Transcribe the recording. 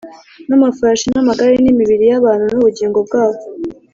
n’amafarashi n’amagare, n’imibiri y’abantu n’ubugingo bwabo.